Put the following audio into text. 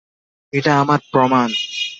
এটা আমার প্রমান!